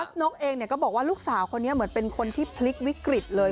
นกเองก็บอกว่าลูกสาวคนนี้เหมือนเป็นคนที่พลิกวิกฤตเลย